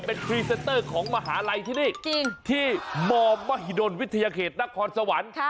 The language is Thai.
เป็นพรีเซนเตอร์ของมหาลัยที่นี่ที่มมหิดลวิทยาเขตนครสวรรค์